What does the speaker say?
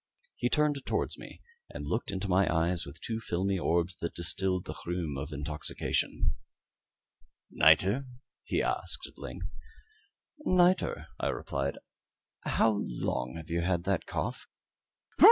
He turned towards me, and looked into my eyes with two filmy orbs that distilled the rheum of intoxication. "Nitre?" he asked, at length. "Nitre," I replied. "How long have you had that cough?" "Ugh! ugh! ugh! ugh! ugh! ugh! ugh!